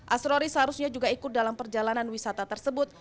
asrori seharusnya juga ikut dalam perjalanan wisata tersebut